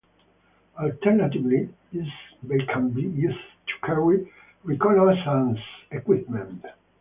Alternatively, this bay can be used to carry reconnaissance equipment.